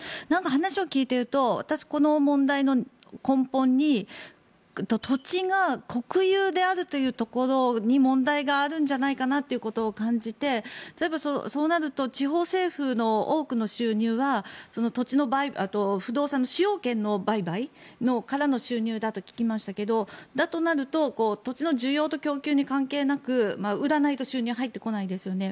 話を聞いていると私、この問題の根本に土地が国有であるというところに問題があるんじゃないかなってことを感じて例えば、そうなると地方政府の多くの収入は不動産の使用権の売買からの収入だと聞きましたけどだとすると土地の需要と供給に関係なく売らないと収入は入ってこないですよね。